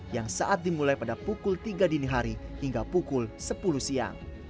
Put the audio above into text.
yang saat dimulai pada pukul tiga dini hari hingga pukul sepuluh siang